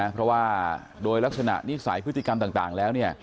เพราะว่าโดยลักษณะนิสัยพฤติกรรมต่างแล้วเนี่ย